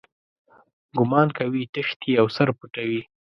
ګومان کوي تښتي او سر پټوي.